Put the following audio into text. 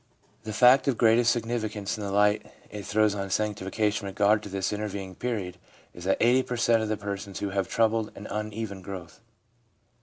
The fact of greatest significance in the light it throws on sanctification in regard to this intervening period is that 80 per cent, of the persons have a troubled and uneven growth.